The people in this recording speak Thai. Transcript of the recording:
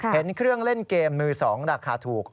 เห็นเครื่องเล่นเกมมือ๒ราคาถูก